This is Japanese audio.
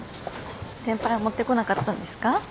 先輩は持ってこなかったんですか？